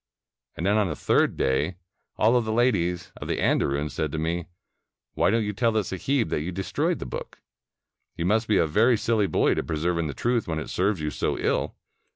And then, on the third day, all the ladies of the andarim said to me, * Wliy don't you tell the sahib that you destroyed the book? You must be a very silly boy to persevere in the truth when it serves you so ill.